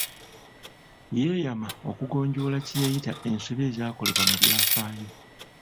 Yeyama okugonjoola kye yayita ensobi ezaakolebwa mu byafaayo.